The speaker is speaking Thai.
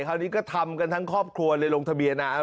คราวนี้ก็ทำกันทั้งครอบครัวเลยเรียนกล่องทะเบียนน้า